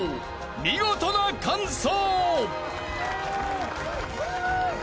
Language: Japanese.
見事な完走］